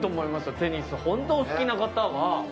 テニス、ホントにお好きな方は。